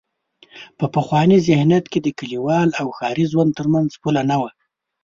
په پخواني ذهنیت کې د کلیوال او ښاري ژوند تر منځ پوله نه وه.